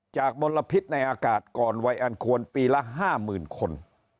มลพิษในอากาศก่อนวัยอันควรปีละ๕๐๐๐คน